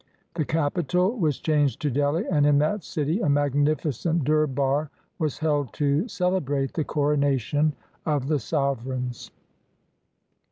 The capital was changed to Delhi, and in that city a magnificent durbar was held to celebrate the coronation of the sovereigns.